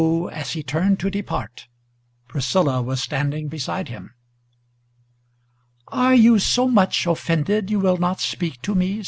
as he turned to depart, Priscilla was standing beside him. "Are you so much offended, you will not speak to me?"